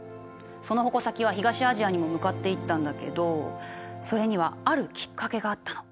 その矛先は東アジアにも向かっていったんだけどそれにはあるきっかけがあったの。